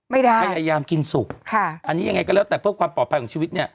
พยายามกินสุกค่ะอันนี้ยังไงก็แล้วแต่เพื่อความปลอดภัยของชีวิตเนี่ย